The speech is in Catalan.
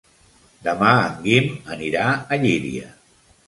Demà en Guim anirà a Llíria.